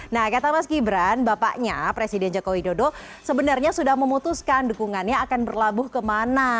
nah kata mas gibran bapaknya presiden jokowi dodo sebenarnya sudah memutuskan dukungannya akan berlabuh kemana